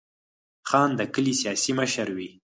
خان د کلي سیاسي مشر وي.